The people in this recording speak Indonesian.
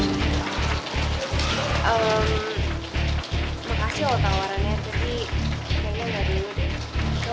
ehm makasih loh tawarannya tapi kayaknya nggak ada ini deh